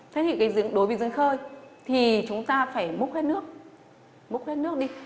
thế thì đối với giếng khơi thì chúng ta phải múc hết nước múc hết nước đi